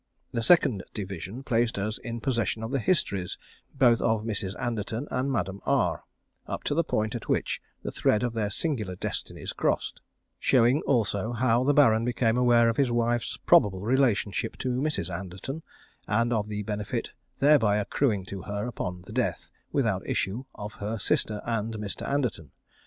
The second division placed us in possession of the histories both of Mrs. Anderton and Madame R, up to the point at which the thread of their singular destinies crossed; showing, also, how the Baron became aware of his wife's probable relationship to Mrs. Anderton, and of the benefit thereby accruing to her upon the death, without issue, of her sister and Mr. Anderton.